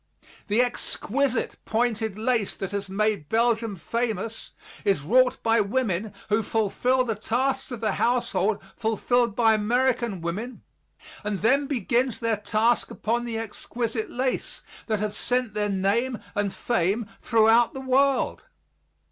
The exquisite pointed lace that has made Belgium famous, is wrought by women who fulfill the tasks of the household fulfilled by American women, and then begins their task upon the exquisite laces that have sent their name and fame throughout the world.